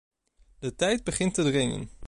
De tijd begint te dringen.